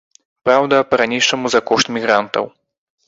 Праўда, па-ранейшаму за кошт мігрантаў.